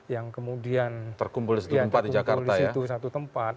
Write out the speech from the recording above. yang kemudian terkumpul di situ satu tempat